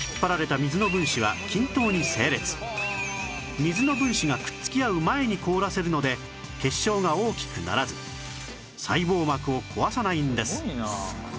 水の分子がくっつき合う前に凍らせるので結晶が大きくならず細胞膜を壊さないんです